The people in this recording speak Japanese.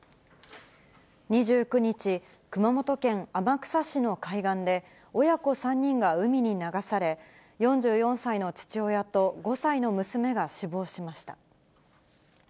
２９日、熊本県天草市の海岸で、親子３人が海に流され、４４歳の父親と５歳の娘が死亡しました。